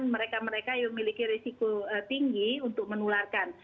dan mereka mereka yang memiliki risiko tinggi untuk menjauhkan tangan